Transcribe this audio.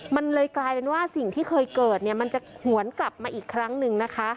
มันเลยกลายเป็นว่าสิ่งที่เคยเกิดเนี่ยมันจะหวนกลับมาอีกครั้งหนึ่งนะคะ